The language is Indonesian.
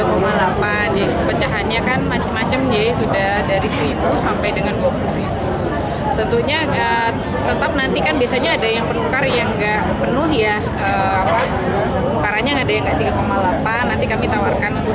oh gak pagi ya gak kemanan mbak